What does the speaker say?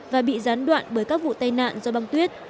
và bị gián đoạn bởi các vụ tai nạn do băng tuyết